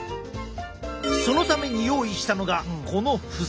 そのために用意したのがこの付箋。